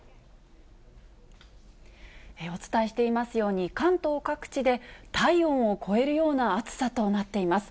お伝えしていますように、関東各地で体温を超えるような暑さとなっています。